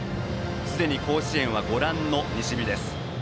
すでに甲子園はご覧の西日です。